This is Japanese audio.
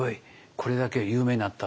これだけ有名になった」。